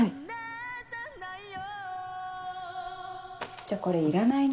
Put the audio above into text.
じゃあこれいらないね。